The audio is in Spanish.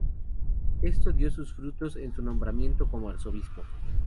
Esto dio sus frutos en su nombramiento como arzobispo.